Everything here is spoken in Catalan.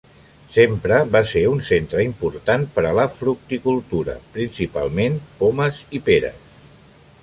Sempre va ser un centre important per a la fructicultura, principalment pomes i peres.